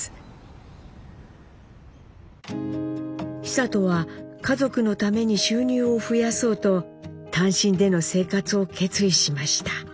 久渡は家族のために収入を増やそうと単身での生活を決意しました。